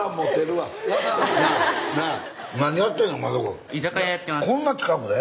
こんな近くで？